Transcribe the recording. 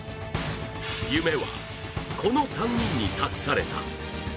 夢はこの３人に託された。